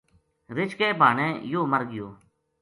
رچھ کے بھانے یوہ مر گیو